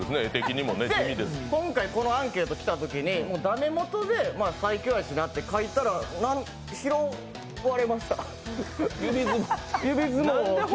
今回、このアンケート来たときに最強やしなって書いたら拾われました、指相撲最強。